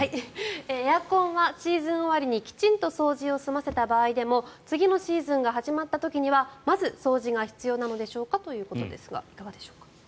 エアコンはシーズン終わりにきちんと掃除を済ませた場合でも次のシーズンが始まった時にはまず掃除が必要なのでしょうかということですがどうでしょうか。